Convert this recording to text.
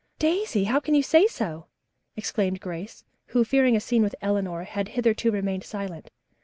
"Daisy, how can you say so?" exclaimed Grace, who, fearing a scene with Eleanor, had hitherto remained silent.